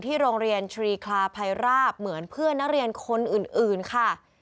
โรงเรียนทรีคลาภัยราบเหมือนเพื่อนนักเรียนคนอื่นค่ะ